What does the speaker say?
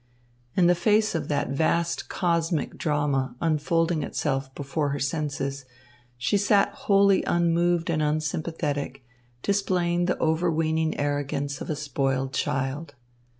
In the face of that vast cosmic drama unfolding itself before her senses, she sat wholly unmoved and unsympathetic, displaying the overweening arrogance of a spoiled child.